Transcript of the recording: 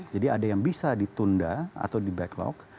jadi ada yang bisa ditunda atau di backlog